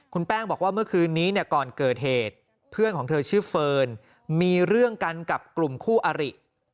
คุณแป้งบอกว่าเมื่อคืนนี้เนี่ยก่อนเกิดเหตุเพื่อนของเธอชื่อเฟิร์นมีเรื่องกันกับกลุ่มคู่อริ